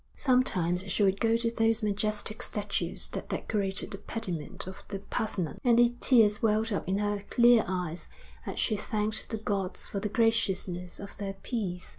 Sometimes she would go to those majestic statues that decorated the pediment of the Parthenon, and the tears welled up in her clear eyes as she thanked the gods for the graciousness of their peace.